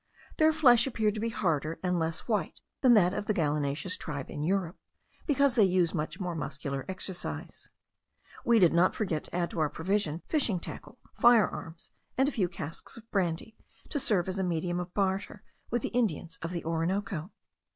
Their flesh appeared to be harder and less white than that of the gallinaceous tribe in Europe, because they use much more muscular exercise. We did not forget to add to our provision, fishing tackle, fire arms, and a few casks of brandy, to serve as a medium of barter with the Indians of the Orinoco.